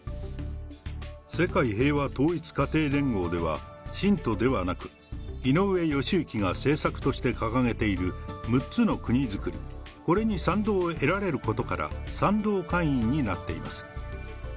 世界平和統一家庭連合では、信徒ではなく、井上義行が政策として掲げている６つの国づくり、これに賛同を得られることから、賛同会員になっています。